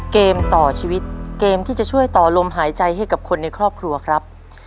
เกมต่อชีวิตเกมที่จะช่วยต่อลมหายใจให้กับคนในครอบครัวครับ